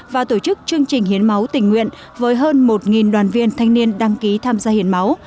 và tổ chức chương trình hiến máu tình nguyện với hơn một đoàn viên thanh niên đăng ký tham gia hiến máu